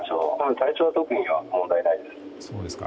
体調は特に問題ないです。